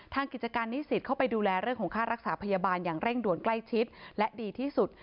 กิจการนิสิตเข้าไปดูแลเรื่องของค่ารักษาพยาบาลอย่างเร่งด่วนใกล้ชิดและดีที่สุด